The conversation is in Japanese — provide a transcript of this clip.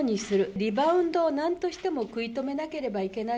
リバウンドをなんとしても食い止めなければいけない。